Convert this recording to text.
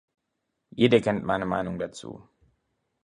Jeder kennt meine Meinung dazu.